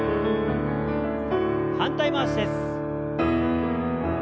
反対回しです。